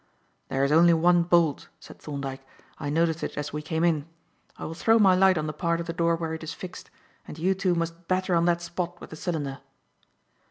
"There is only one bolt," said Thorndyke; "I noticed it as we came in. I will throw my light on the part of the door where it is fixed, and you two must batter on that spot with the cylinder."